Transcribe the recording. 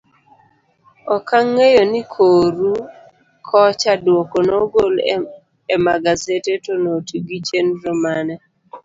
Okang'eyo ni koru kocha duoko nogol emagasede to noti gichenro mane.